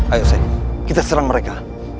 ayo saya kita serang mereka